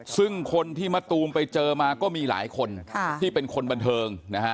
ซึ่งคนที่มะตูมไปเจอมาก็มีหลายคนที่เป็นคนบันเทิงนะฮะ